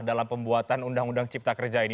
dalam pembuatan undang undang cipta kerja ini